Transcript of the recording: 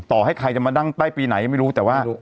ต่อให้ใครจะมานั่งใกล้ปีไหนไม่รู้แต่ว่า